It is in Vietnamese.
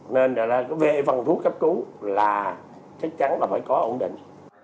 nên về phần thuốc cấp cứu là chắc chắn là phải có ổn định